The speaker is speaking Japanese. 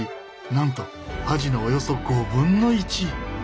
なんとアジのおよそ５分の１。